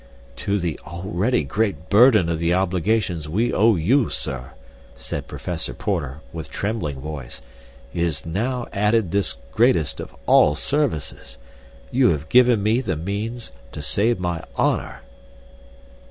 "To the already great burden of the obligations we owe you, sir," said Professor Porter, with trembling voice, "is now added this greatest of all services. You have given me the means to save my honor."